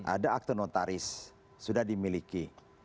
ada akte notaris sudah dimiliki